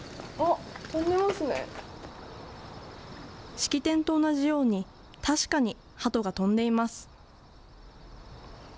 式典と同じように、確かにハトが飛んでいます。